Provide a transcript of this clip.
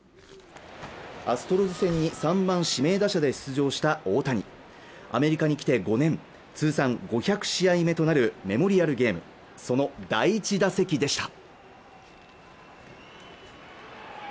アストロズ戦に３番・指名打者で出場した大谷アメリカに来て５年通算５００試合目となるメモリアルゲームその第１打席でした